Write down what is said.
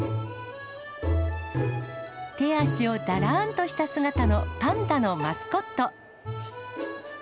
手足をだらーんとした姿のパンダのマスコット。